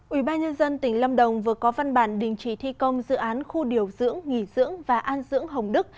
ủy ban nhân dân tỉnh lâm đồng vừa có văn bản đình chỉ thi công dự án khu điều dưỡng nghỉ dưỡng và an dưỡng hồng đức